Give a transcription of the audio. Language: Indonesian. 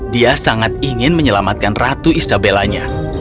dia sangat ingin menyelamatkan ratu isabellanya